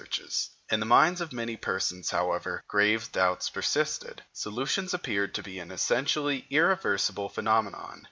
] In the minds of many persons, however, grave doubts persisted. Solution appeared to be an essentially irreversible phenomenon.